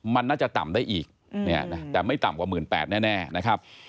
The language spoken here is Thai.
มันน่าจะต่ำได้อีกแต่ไม่ต่ำกว่า๑๘๐๐แน่นะครับ